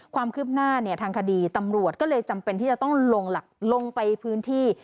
ความคืบหน้าเนี่ยทางคดีตำรวจก็เลยจำเป็นที่จะต้องลงไปพื้นที่